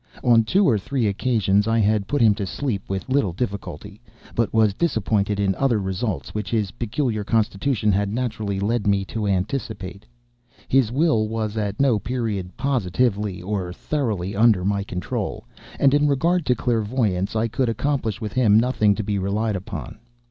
On two or three occasions I had put him to sleep with little difficulty, but was disappointed in other results which his peculiar constitution had naturally led me to anticipate. His will was at no period positively, or thoroughly, under my control, and in regard to clairvoyance, I could accomplish with him nothing to be relied upon.